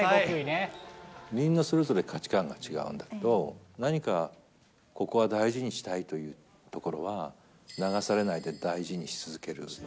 みんなそれぞれ、価値観が違うんだけど、何かここは大事にしたいというところは、流されないで大事にし続けるんですね。